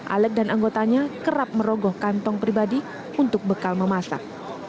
alec dan anggotanya kerap merogoh kantong pribadi untuk bekal memasak